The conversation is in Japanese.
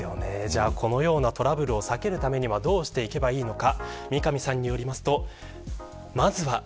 このようなトラブルを避けるためにはどうしていけばいいのか。